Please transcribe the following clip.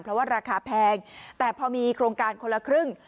เพราะว่าราคาแพงแต่พอมีโครงการคนละครึ่ง